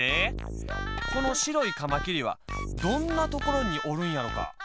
このしろいかまきりはどんなところにおるんやろか？